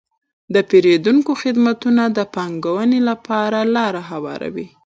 د پیرودونکو خدمتونه د پانګونې لپاره لاره هواروي.